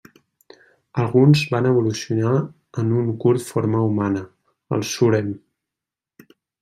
Alguns van evolucionar en un curt forma humana: els Surem.